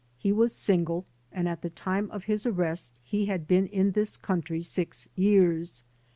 He ivas single and at the time of his arrest he had been in this country six years.